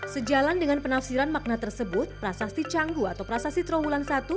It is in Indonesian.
sejalan dengan penafsiran makna tersebut prasasti canggu atau prasasti trawulan satu